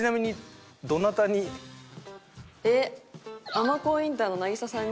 尼神インターの渚さんに。